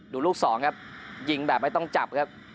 ดูลูกสองครับยิงแบบไม่ต้องจับครับ